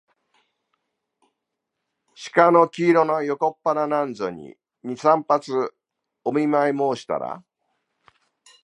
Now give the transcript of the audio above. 鹿の黄色な横っ腹なんぞに、二三発お見舞もうしたら、